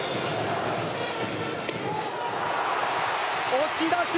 押し出し！